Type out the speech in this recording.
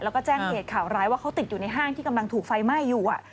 แล้วก็แจ้งเหตุข่าวร้ายว่าเขาติดอยู่ในห้างที่กำลังถูกไฟไหม้อยู่